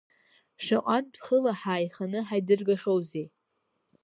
Шаҟантә хыла ҳааиханы, ҳаидыргахьоузеи?!